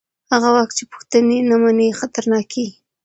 هغه واک چې پوښتنې نه مني خطرناک کېږي